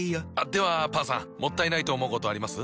ではパンさんもったいないと思うことあります？